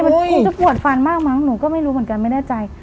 มันคงจะปวดฟันมากมั้งหนูก็ไม่รู้เหมือนกันไม่แน่ใจ